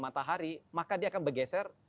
matahari maka dia akan bergeser